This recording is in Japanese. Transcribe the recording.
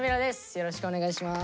よろしくお願いします。